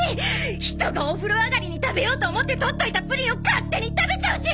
人がお風呂あがりに食べようと思ってとっといたプリンを勝手に食べちゃうし！